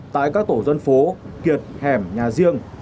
tại các tổ dân phố kiệt hẻm nhà riêng